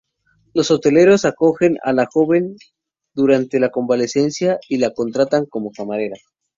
Los hoteleros acogen a la joven durante su convalecencia y la contratan como camarera.